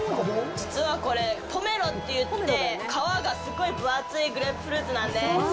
実はこれ、ポメロっていって皮がすごい分厚いグレープフルーツなんです。